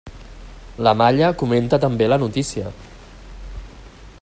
La Malla comenta també la notícia.